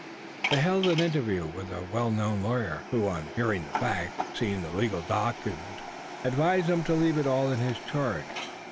They held an interview with a well known lawyer, who, on hearing the facts, and seeing the legal document, advised them to leave it all in his charge.